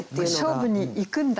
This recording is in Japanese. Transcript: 勝負に行くんだ